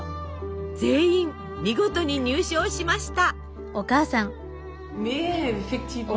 全員見事に入賞しました。